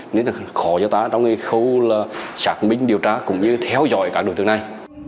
nên khó cho ta trong khâu sạc minh điều tra cũng như theo dõi các đối tượng này